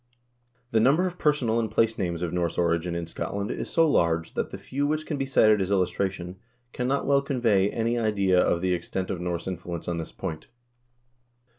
! The number of personal and place names of Norse origin in Scot land is so large that the few which can be cited as illustration can not well convey any idea of the extent of Norse influence on this point.